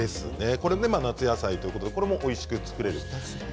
これも夏野菜ということでこれでもおいしく作れます。